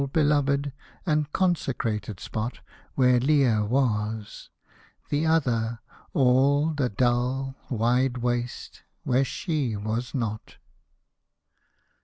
Beloved, and consecrated spot Where Lea was — the other, all The dull, wide waste, where she was not